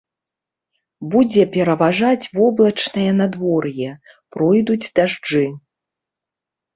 Будзе пераважаць воблачнае надвор'е, пройдуць дажджы.